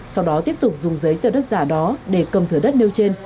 sau đó tiếp tục dùng giấy tờ đất giả đó để cầm thửa đất nêu trên